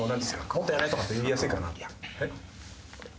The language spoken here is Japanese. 「もっとやれ」とかって言いやすいかなってえっ？